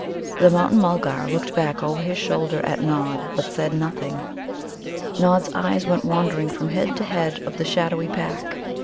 The Mountain mulgar looked back over his shoulder at Nod, but said nothing. Nod's eyes went wandering from head to head of the shadowy pack.